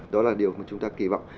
đó là điều mà chúng ta kỳ vọng